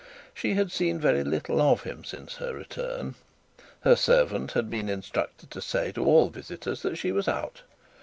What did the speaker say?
She had seen very little of him since her return. Her servants had been instructed to say to all visitors that she was out.